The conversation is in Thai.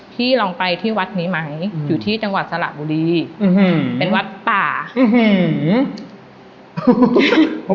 พี่ลองไปที่วัดนี้ไหมอยู่ที่จังหวัดสระบุรีอืมเป็นวัดป่าอื้อหือ